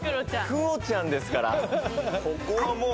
ＱＵＯちゃんですからここはもう。